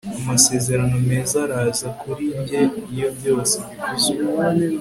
Amasezerano meza araza kuri njye iyo byose bivuzwe